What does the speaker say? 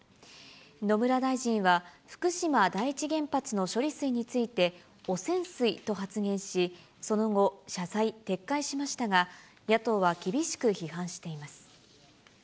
野村大臣は、福島第一原発の処理水について、汚染水と発言し、その後、謝罪、撤回しましたが、野党は厳しく批判しています。